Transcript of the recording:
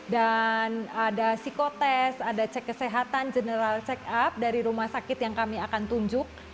dan ada psikotest ada cek kesehatan general check up dari rumah sakit yang kami akan tunjuk